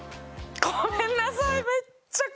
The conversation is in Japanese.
ごめんなさい。